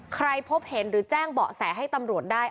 พบเห็นหรือแจ้งเบาะแสให้ตำรวจได้